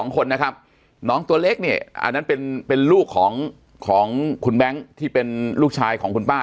๒คนนะครับน้องตัวเล็กเนี่ยอันนั้นเป็นลูกของคุณแบงค์ที่เป็นลูกชายของคุณป้า